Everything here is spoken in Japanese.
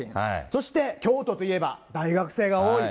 そして京都といえば大学生が多い。